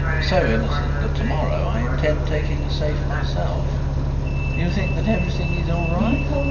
"So innocent that to morrow I intend taking a safe myself." "You think that everything is all right?"